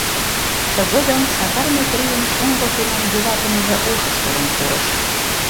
Тыгодым Сакар Метрийын шоҥго тумым йӱлатымыже ушыш толын пурыш.